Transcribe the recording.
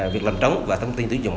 việc làm trống và thông tin tử dụng